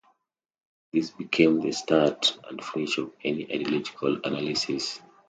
These become the start and finish of any ideological analysis.